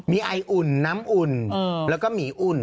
มีไออุ่นน้ำอุ่นแล้วก็หมีอุ่น